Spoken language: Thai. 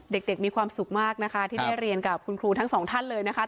เด็กมีความสุขมากนะคะที่ได้เรียนกับคุณครูทั้งสองท่านเลยนะคะ